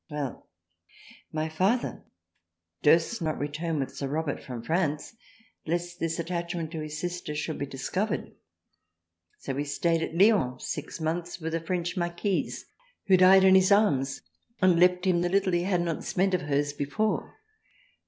Well ! my Father durst not return with Sir Robert from France lest this attach ment to his sister should be discovered so he stayed at Lyons six months with a French Marquise who died in his Arms and left him the little he had not spent of hers before.